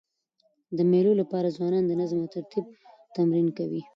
د مېلو له پاره ځوانان د نظم او ترتیب تمرین کوي.